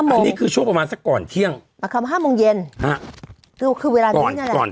อันนี้คือช่วงประมาณสักก่อนเที่ยง๕โมงเย็น